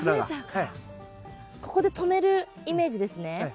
ここで止めるイメージですね？